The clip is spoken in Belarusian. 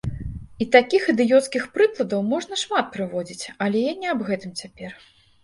І такіх ідыёцкіх прыкладаў можна шмат прыводзіць, але я не аб гэтым цяпер.